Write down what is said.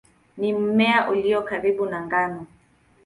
Ni mmea ulio karibu na ngano.